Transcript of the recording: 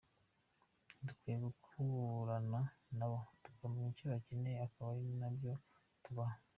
Dukwiye gukorana nabo tukameya icyo bakeneye akaba ari byo tubaha.